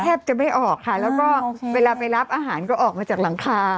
แทบจะไม่ออกค่ะแล้วก็เวลาไปรับอาหารก็ออกมาจากหลังคา